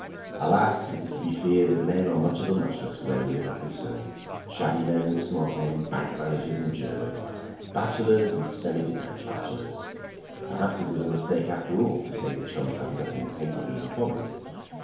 Alas! it is to be feared that men are much of a muchness where women are concerned; shabby men and smart men, bank managers and journalists, bachelors and semi detached bachelors. Perhaps it was a mistake after all to say the chums had nothing patently in common.